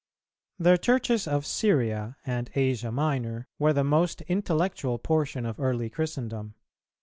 _ The Churches of Syria and Asia Minor were the most intellectual portion of early Christendom.